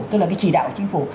tức là cái chỉ đạo của chính phủ